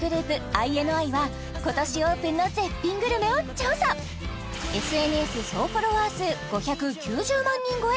ＩＮＩは今年オープンの絶品グルメを調査ＳＮＳ総フォロワー数５９０万人超え！